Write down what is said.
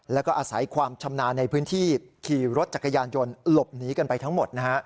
แล้วก็อาศัยความชำนาญในพื้นที่ขี่รถจักรยานยนต์หลบหนีกันไปทั้งหมดนะฮะ